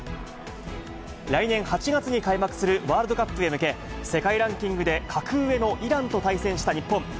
来年８月に開幕するワールドカップへ向け、世界ランキングで格上のイランと対戦した日本。